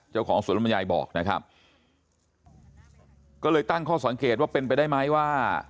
เจ้าของสวนลำไยบอกนะครับก็เลยตั้งข้อสังเกตว่าเป็นไปได้ไหมว่า